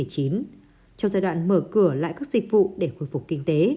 trong giai đoạn mở cửa lại các dịch vụ để khôi phục kinh tế